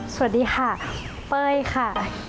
สวัสดีค่ะเป้ยค่ะ